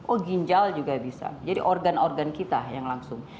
oh ginjal juga bisa jadi organ organ kita yang langsung